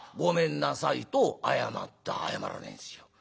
「謝らねえんすよ。